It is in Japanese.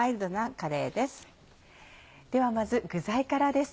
ではまず具材からです。